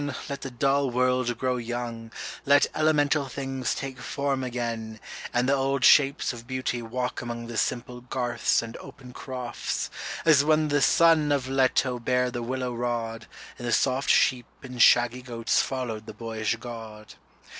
let the dull world grow young, Let elemental things take form again, And the old shapes of Beauty walk among The simple garths and open crofts, as when The son of Leto bare the willow rod, And the soft sheep and shaggy goats followed the boyish God.